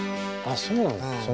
そうなの？